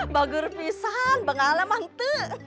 bagur pisah bengal emang tuh